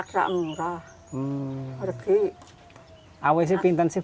tidak murah untuk menambah